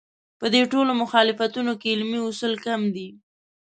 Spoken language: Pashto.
په دې ټولو مخالفتونو کې علمي اصول کم دي.